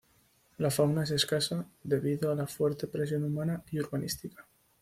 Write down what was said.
La fauna es escasa debido a la fuerte presión humana y urbanística.